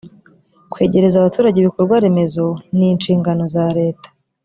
kwegereza abaturage ibikorwaremezo nishingano za leta.